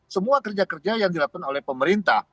semua kerja kerja yang dilakukan oleh pemerintah